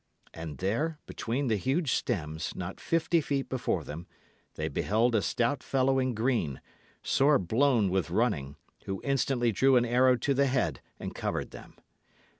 And there, between the huge stems, not fifty feet before them, they beheld a stout fellow in green, sore blown with running, who instantly drew an arrow to the head and covered them.